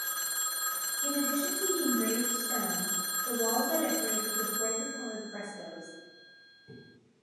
In addition to the engraved stone, the walls are decorated with brightly colored frescoes.